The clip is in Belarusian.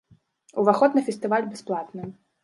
Уваход на фестываль бясплатны.